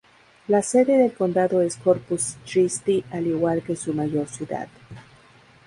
La sede del condado es Corpus Christi, al igual que su mayor ciudad.